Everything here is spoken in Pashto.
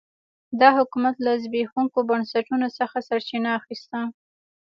دا حکومت له زبېښونکو بنسټونو څخه سرچینه اخیسته.